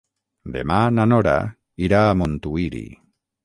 Demà na Nora irà a Montuïri.